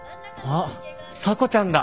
あっ査子ちゃんだ。